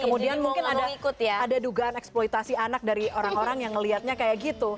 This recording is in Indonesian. kemudian mungkin ada dugaan eksploitasi anak dari orang orang yang melihatnya kayak gitu